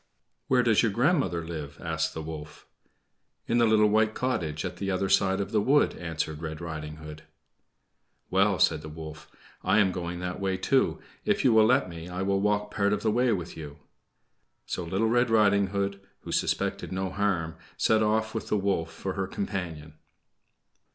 "Where does your grandmother live?" asked the wolf. "In the little white cottage at the other side of the wood," answered Red Riding Hood. "Well," said the wolf, "I am going that way, too. If you will let me, I will walk part of the way with you." So Little Red Riding Hood, who suspected no harm, set off with the wolf for her companion.